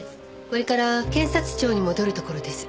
これから検察庁に戻るところです。